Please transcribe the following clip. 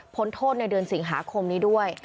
พ้นโทษในเดือนสิงหาคมนี้ด้วย